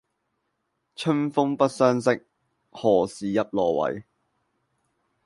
春風不相識，何事入羅幃